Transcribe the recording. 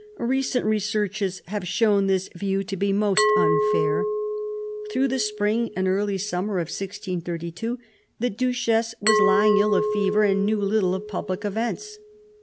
Recent re searches have shown this view to be most unfair. Through the spring and early summer of 1632 the Duchess was lying ill of fever and knew little of public events.